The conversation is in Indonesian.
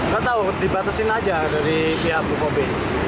gak tahu dibatasiin aja dari pihak bukopin